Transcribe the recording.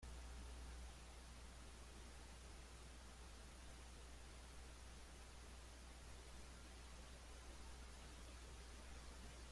En el sur hay especies asiáticas del sureste, típicas de las regiones tropicales.